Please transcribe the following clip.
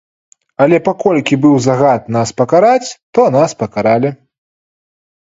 Але паколькі быў загад нас пакараць, то нас пакаралі.